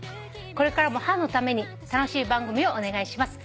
「これからも母のために楽しい番組をお願いします」